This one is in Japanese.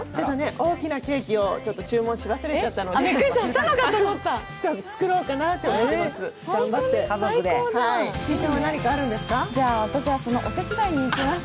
大きなケーキを注文し忘れちゃったので、作ろうかなと思ってます。